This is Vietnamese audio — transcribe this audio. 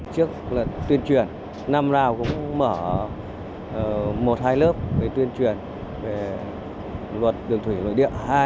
trước lần tuyên truyền năm nào cũng mở một hai lớp tuyên truyền về luật đường thủy nội địa